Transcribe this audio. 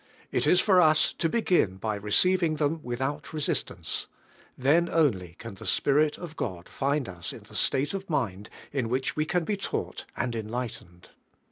i't is for us to begin by receiving them without resistance; then only can the Spirit of Got! find Be in (he state of minii in which we can be taught and en lightened.